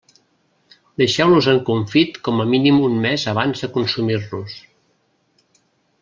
Deixeu-los en confit com a mínim un mes abans de consumir-los.